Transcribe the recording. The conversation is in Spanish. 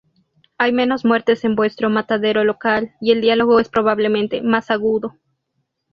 Hay menos muertes en vuestro matadero local, y el diálogo es probablemente más agudo.